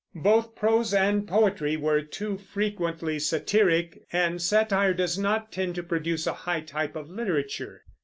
Both prose and poetry were too frequently satiric, and satire does not tend to produce a high type of literature.